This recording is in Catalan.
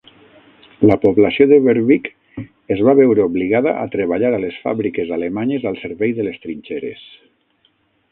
La població de Wervik es va veure obligada a treballar a les fàbriques alemanyes al servei de les trinxeres.